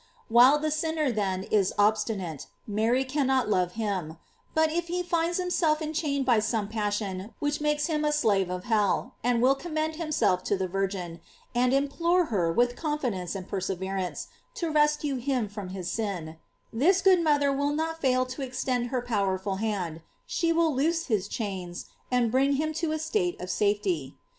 "* While the sinner, then, is obstinate, Mary cannot love him; but if he finds himself enchained by some passion which makes him a slave of hell, and will commend himself to the Virgin, and im plore her with confidence and perseverance to rescue him from his sin, this good mother will not fail to extend her powerful hand, she will loose his chains, and bring him to a state of safety.